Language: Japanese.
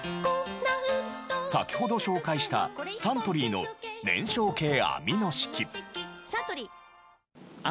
先ほど紹介したサントリーの燃焼系アミノ式。